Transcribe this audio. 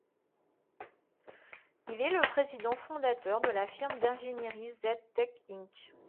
Il est le président-fondateur de la firme d'ingénierie Z-Tech inc.